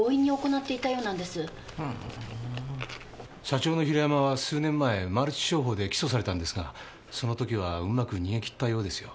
社長の平山は数年前マルチ商法で起訴されたんですがその時はうまく逃げ切ったようですよ。